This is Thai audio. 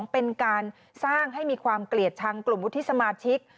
เป็นการสร้างให้มีความเกลียดชังกลุ่มวุฒิสมาชิก